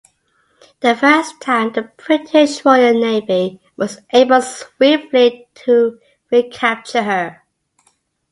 The first time the British Royal Navy was able swiftly to recapture her.